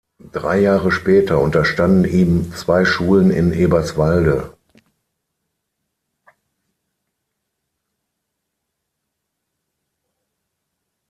Drei Jahre später unterstanden ihm zwei Schulen in Eberswalde.